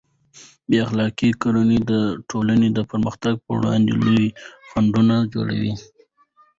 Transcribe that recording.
بې اخلاقه کړنې د ټولنې د پرمختګ پر وړاندې لوی خنډونه جوړوي.